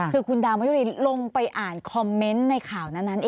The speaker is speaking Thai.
คือคุณดาวมายุรีลงไปอ่านคอมเมนต์ในข่าวนั้นเอง